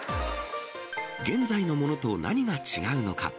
現在のものと何が違うのか。